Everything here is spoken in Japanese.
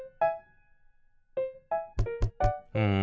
うん。